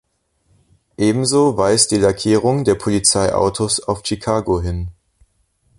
Ebenso weist die Lackierung der Polizeiautos auf Chicago hin.